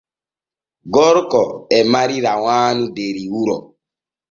Gorko e mari rawaanu der wuro.